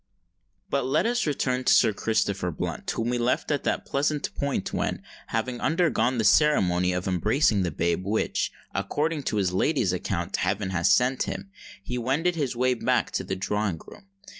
But let us return to Sir Christopher Blunt, whom we left at that pleasant point when, having undergone the ceremony of embracing the babe which, according to his lady's account, heaven had sent him, he wended his way back to the drawing room.